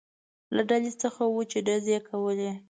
له ډلې څخه و، چې ډزې یې کولې.